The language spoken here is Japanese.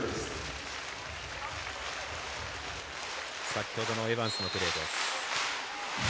先ほどのエバンスのプレーです。